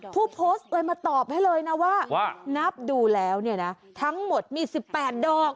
ผู้โพสต์เลยมาตอบให้เลยนะว่านับดูแล้วเนี่ยนะทั้งหมดมี๑๘ดอก